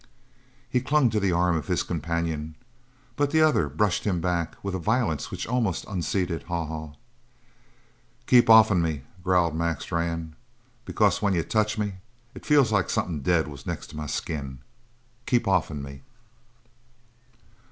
He clung to the arm of his companion, but the other brushed him back with a violence which almost unseated Haw Haw. "Keep off'n me," growled Mac Strann, "because when you touch me, it feels like somethin' dead was next to my skin. Keep off'n me!"